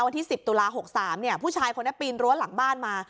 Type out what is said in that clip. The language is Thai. วันที่สิบตุลาหกสามเนี่ยผู้ชายคนน่ะปีนร้วนหลังบ้านมา